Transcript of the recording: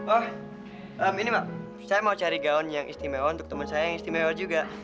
oh ini saya mau cari gaun yang istimewa untuk teman saya yang istimewa juga